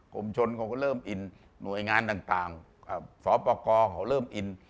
มชนเขาก็เริ่มอินหน่วยงานต่างสปกรเขาเริ่มอิน